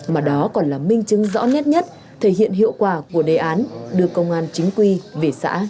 mà đó còn là minh chứng rõ nét nhất thể hiện hiệu quả của đề án đưa công an chính quy về xã